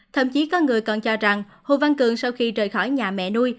thậm chí có người còn cho rằng hồ văn cường sau khi rời khỏi nhà mẹ nuôi